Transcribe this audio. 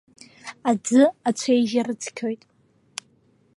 Аӡәы ацәеижь арыцқьоит.